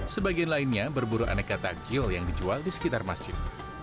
sebagian lainnya berburu aneka takjil yang dijual di sekitar masjid